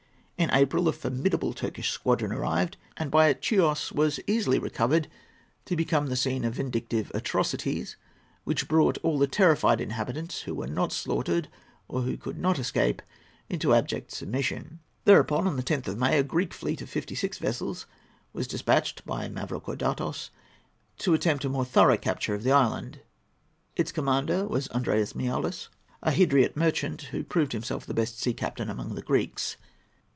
In April a formidable Turkish squadron arrived, and by it Chios was easily recovered, to become the scene of vindictive atrocities, which brought all the terrified inhabitants who were not slaughtered, or who could not escape, into abject submission. Thereupon, on the 10th of May, a Greek fleet of fifty six vessels was despatched by Mavrocordatos to attempt a more thorough capture of the island. Its commander was Andreas Miaoulis, a Hydriot merchant, who proved himself the best sea captain among the Greeks.